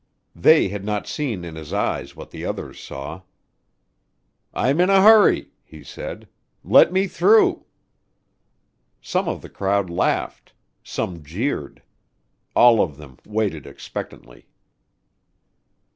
They had not seen in his eyes what the others saw. "I'm in a hurry," he said. "Let me through." Some of the crowd laughed; some jeered. All of them waited expectantly.